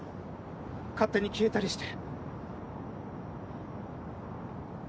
勝手に消えたりして。